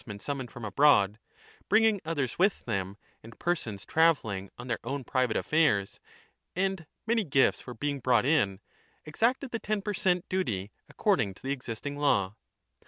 2 1352 men summoned from abroad, bringing others with them, 1 and persons travelling on their own private affairs, and many gifts were being brought in, exacted the ten per cent, duty according to the existing law.